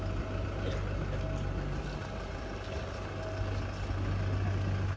สุดท้ายสุดท้ายสุดท้าย